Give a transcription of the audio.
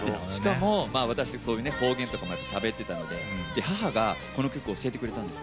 しかも私方言も、しゃべっていたので母がこの曲を教えてくれたんです。